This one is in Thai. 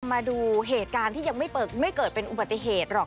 มาดูเหตุการณ์ที่ยังไม่เกิดเป็นอุบัติเหตุหรอก